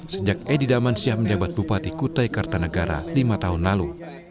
sejak edi damansyah menjabat bupati kutai kartanegara lima tahun lalu